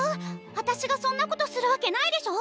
あたしがそんなことするわけないでしょ？